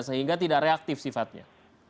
sehingga tidak reaktif sifatnya